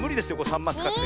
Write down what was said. サンマつかって。